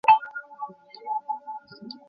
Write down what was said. আপনি দেননি তো তাকে?